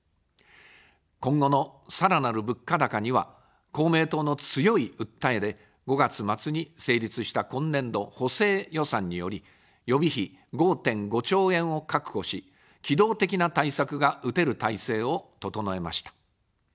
今後のさらなる物価高には公明党の強い訴えで、５月末に成立した今年度補正予算により、予備費５．５兆円を確保し、機動的な対策が打てる体制を整えました。